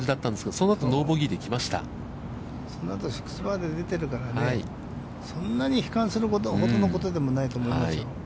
その後、６番出てるからね、そんなに悲観するほどのことでもないと思いますよ。